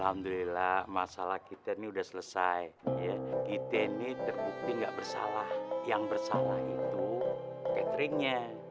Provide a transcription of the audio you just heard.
alhamdulillah masalah kita ini sudah selesai kita ini terbukti nggak bersalah yang bersalah itu cateringnya